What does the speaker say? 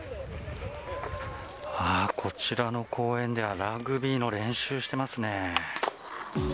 あー、こちらの公園ではラグビーの練習してますね。